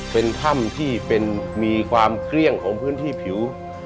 เป็นถ้ำที่มีความเกลี้ยงของพื้นที่ผิว